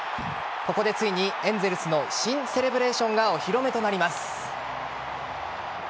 ここでついに、エンゼルスの新セレブレーションがお披露目となります。